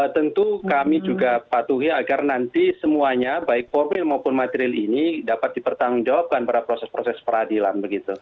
tentu kami juga patuhi agar nanti semuanya baik formil maupun material ini dapat dipertanggungjawabkan pada proses proses peradilan